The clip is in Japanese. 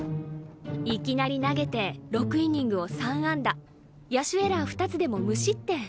いきなり投げて６イニングを３安打野手エラー２つでも無失点。